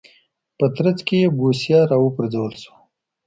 په ترڅ کې یې بوسیا راوپرځول شو.